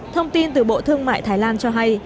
thông tin từ bộ thương mại thái lan cho hay